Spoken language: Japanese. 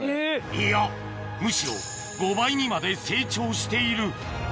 いやむしろ５倍にまで成長している